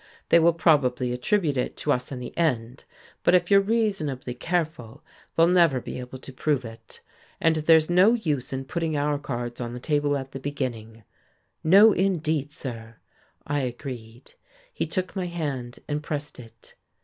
They will probably attribute it to us in the end, but if you're reasonably careful, they'll never be able to prove it. And there's no use in putting our cards on the table at the beginning." "No indeed, sir!" I agreed. He took my hand and pressed it.